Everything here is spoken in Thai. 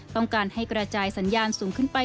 ต้องการให้กระจายสัญญาณสูงขึ้นไป